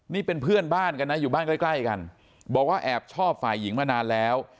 นี่เป็นเพื่อนบ้านกันนะอยู่บ้านใกล้ใกล้กันบอกว่าแอบชอบฝ่ายหญิงมานานแล้ว